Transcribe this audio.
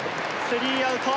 スリーアウト。